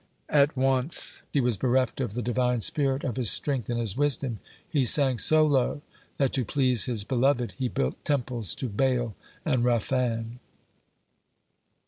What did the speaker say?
At once he was bereft of the Divine spirit, of his strength and his wisdom, and he sank so low that to please his beloved he built temples to Baal and Raphan.